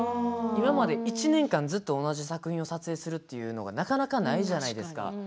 今まで１年間ずっと同じ作品を撮影するというのがなかなかないじゃないですか。